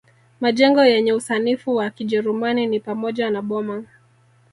Majengo yenye usanifu wa Kijerumani ni pamoja na boma